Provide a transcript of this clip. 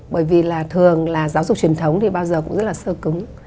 bởi vì là thường là giáo dục truyền thống thì bao giờ cũng rất là sơ cứng